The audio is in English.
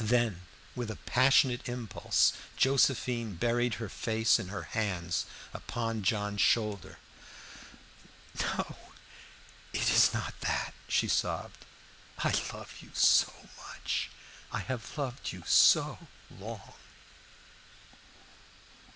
Then with a passionate impulse Josephine buried her face in her hands upon John's shoulder. "No, it is not that!" she sobbed. "I love you so much I have loved you so long!"